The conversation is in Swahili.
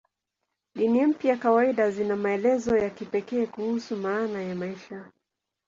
Dini mpya kawaida zina maelezo ya kipekee kuhusu maana ya maisha.